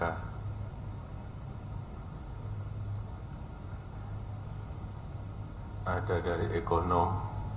ada dari ekonom